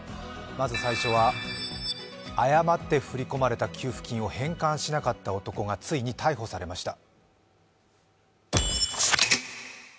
まず最初は誤って振り込まれた給付金を返還しなかった男がついに逮捕されました。